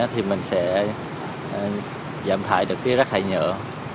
thì mình sẽ giảm thải được rác thải nhựa